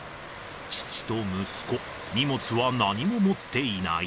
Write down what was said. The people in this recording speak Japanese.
父と息子、荷物は何も持っていない。